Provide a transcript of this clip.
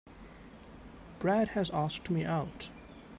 Brad has asked me out.